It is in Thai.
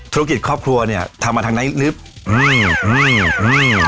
ธุรกิจครอบครัวเนี่ยทำมาทางไหน